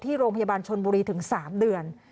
โรงพยาบาลชนบุรีถึง๓เดือน